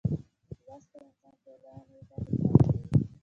لوستی انسان ټولنې ته خدمت کوي.